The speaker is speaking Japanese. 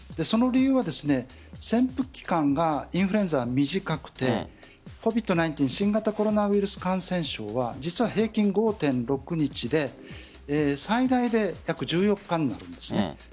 その理由は潜伏期間がインフルエンザは短くてＣＯＶＩＤ‐１９新型コロナウイルス感染症は実は平均５．６日で最大で約１４日なんです。